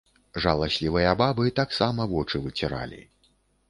Жаласлівыя бабы таксама вочы выціралі.